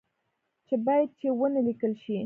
چې باید چي و نه لیکل شي